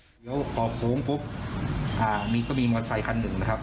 เดี๋ยวพอโค้งปุ๊บอันนี้ก็มีมอสไซคันหนึ่งนะครับ